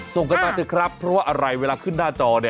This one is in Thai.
ส่งกันมาเถอะครับเพราะว่าอะไรเวลาขึ้นหน้าจอ